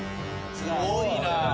すごいな。